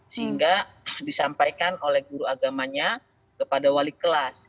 sehingga disampaikan oleh guru agamanya kepada wali kelas